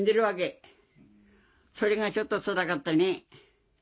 それがちょっとつらかったね。